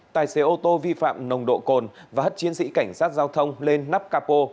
tài xế ô tô vi phạm nồng độ cồn và hất chiến sĩ cảnh sát giao thông lên nắp capo